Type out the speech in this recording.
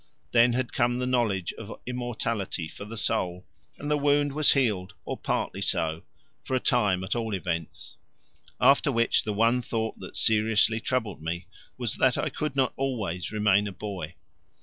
Then had come the knowledge of immortality for the soul, and the wound was healed, or partly so, for a time at all events; after which the one thought that seriously troubled me was that I could not always remain a boy.